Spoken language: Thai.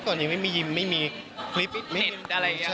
ก่อนยังไม่มียิมไม่มีคลิป